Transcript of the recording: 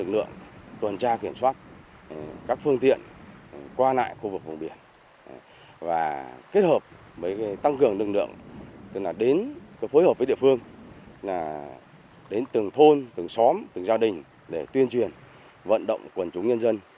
đến phối hợp với địa phương đến từng thôn từng xóm từng gia đình để tuyên truyền vận động quần chúng nhân dân